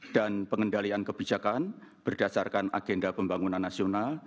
dan pengendalian kebijakan berdasarkan agenda pembangunan nasional